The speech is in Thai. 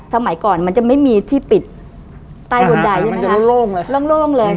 สมัยก่อนมันจะไม่มีที่ปิดใต้บนดัยใช่ไหมคะมันจะโล่งเลยโล่งโล่งเลย